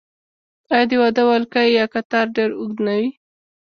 آیا د واده ولکۍ یا قطار ډیر اوږد نه وي؟